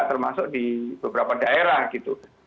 termasuk di beberapa daerah gitu